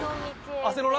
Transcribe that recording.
アセロラ？